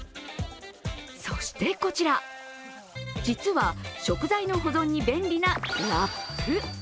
そしてこちら、実は食材の保存に便利なラップ。